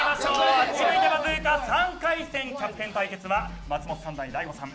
あっち向いてバズーカ３回戦キャプテン対決は松本さん対大悟さん。